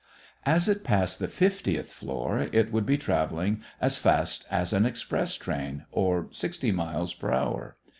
As it passed the fiftieth story it would be traveling as fast as an express train, or 60 miles per hour.